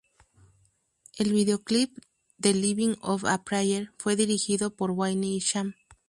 El videoclip de "Livin' On A Prayer" fue dirigido por Wayne Isham.